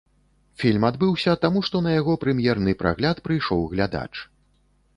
Фільм адбыўся, таму што на яго прэм'ерны прагляд прыйшоў глядач.